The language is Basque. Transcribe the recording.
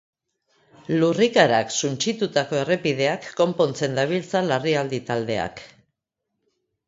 Lurrikarak suntsitutako errepideak konpontzen dabiltza larrialdi taldeak.